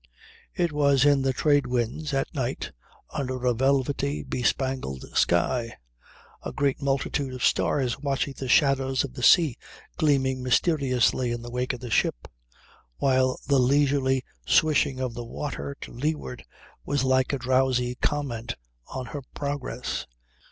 It was in the trade winds, at night, under a velvety, bespangled sky; a great multitude of stars watching the shadows of the sea gleaming mysteriously in the wake of the ship; while the leisurely swishing of the water to leeward was like a drowsy comment on her progress.